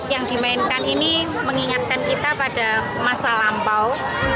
yang dimainkan ini mengingatkan kita pada masa lampau